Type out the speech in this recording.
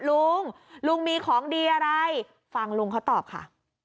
ลุงลุงมีของดีอะไรฟังลุงเขาตอบค่ะ